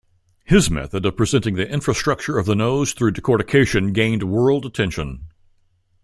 His method of presenting the infrastructure of the nose through decortication gained world attention.